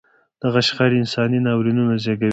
دغه شخړې انساني ناورینونه زېږوي.